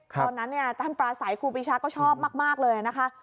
ตอนนั้นท่านปราศัยครูปีชาก็ชอบมากเลยนะคะ